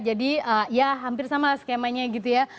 jadi ya hampir sama skemanya gitu ya